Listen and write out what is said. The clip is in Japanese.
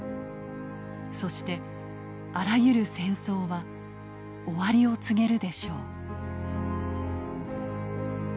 そしてあらゆる戦争は終わりを告げるでしょう」。